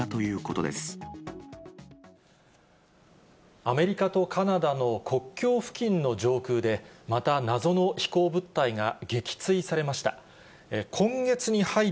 アメリカとカナダの国境付近の上空で、また謎の飛行物体が撃墜されました。